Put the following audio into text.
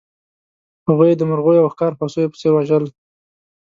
هغوی یې د مرغیو او ښکار هوسیو په څېر وژل.